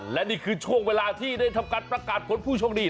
และนี่คือช่วงเวลาที่ได้ทำการประกาศผลผู้โชคดี